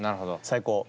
最高。